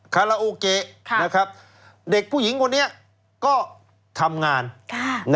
คาราโอเกนะครับเด็กผู้หญิงคนนี้ก็ทำงานแถวงานค่ะ